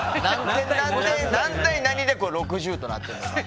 何対何で６０となってるのか。